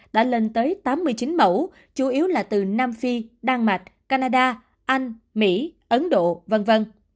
đã lên tới tám mươi chín mẫu chủ yếu là từ nam phi đan mạch canada anh mỹ ấn độ v v